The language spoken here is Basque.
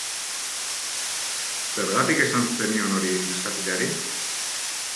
Zergatik esan zenion hori neskatilari?